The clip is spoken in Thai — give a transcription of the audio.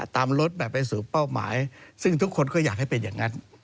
รถแบบไปสู่เป้าหมายซึ่งทุกคนก็อยากให้เป็นอย่างนั้น